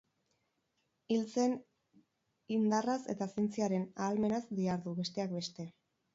Hitzen indarraz eta zientziaren ahalmenaz dihardu, besteak beste.